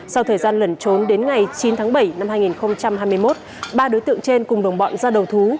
sau thời gian lẩn trốn đến ngày chín tháng bảy năm hai nghìn hai mươi một ba đối tượng trên cùng đồng bọn ra đầu thú